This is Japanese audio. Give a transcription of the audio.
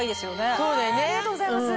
ありがとうございます。